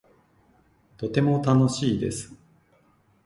とても楽しいです